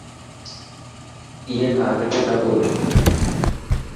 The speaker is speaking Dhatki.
اي کان اگتي نه ٻولي.